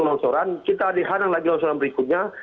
lonsoran kita dihadang lagi lonsoran berikutnya